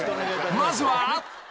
［まずは］